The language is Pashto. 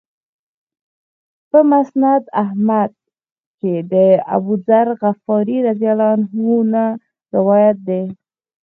په مسند احمد کې د أبوذر غفاري رضی الله عنه نه روایت دی.